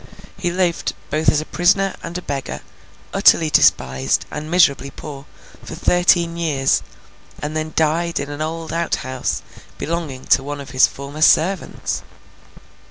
He lived, both as a prisoner and a beggar, utterly despised, and miserably poor, for thirteen years, and then died in an old outhouse belonging to one of his former servants.